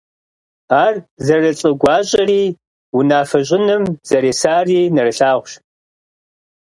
Ар зэрылӀыгуащӀэри, унафэ щӀыным зэресари нэрылъагъущ.